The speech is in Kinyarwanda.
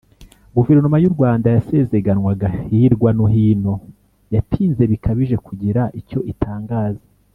guverinoma y'u rwanda yasezeganwaga hirwa no hino yatinze bikabije kugira icyo itangaza.